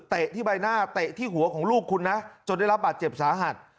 ที่ใบหน้าเตะที่หัวของลูกคุณนะจนได้รับบาดเจ็บสาหัส